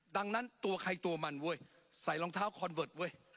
ดังนั้นตัวใครตัวมันเว้ยใส่รองเท้าคอนเวิร์ตเว้ย